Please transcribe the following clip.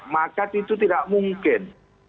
maka itu tidak mungkin